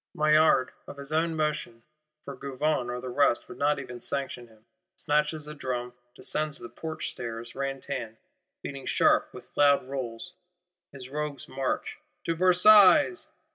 Maillard, of his own motion, for Gouvion or the rest would not even sanction him,—snatches a drum; descends the Porch stairs, ran tan, beating sharp, with loud rolls, his Rogues' march: To Versailles!